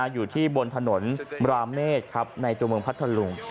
อยู่ที่บนถนนมราเมฆครับในตัวเมืองพัทธลุง